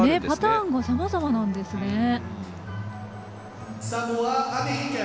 パターンもさまざまなんですね。